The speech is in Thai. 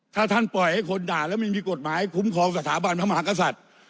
ถ้าท่านปล่อยให้คนด่าแล้วไม่มีกฎหมายคุ้มครองสถาบันพระมหากษัตริย์